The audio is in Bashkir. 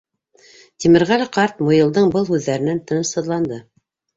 Тимерғәле ҡарт Муйылдың был һүҙҙәренән тынысһыҙланды.